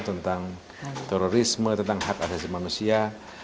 tentang terorisme tentang hak asasi manusia